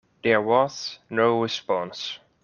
There was no response.